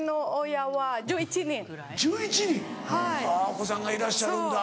お子さんがいらっしゃるんだ。